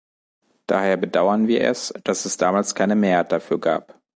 Daher bedauern wir es, dass es damals keine Mehrheit dafür gab.